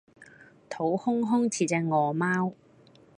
肚空空似隻餓貓